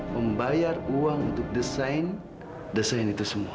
membayar uang untuk desain desain itu semua